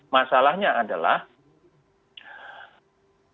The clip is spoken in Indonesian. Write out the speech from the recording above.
masalahnya adalah prabowo itu sudah bertahun tahun ini dicalonkan sebagai pemerintah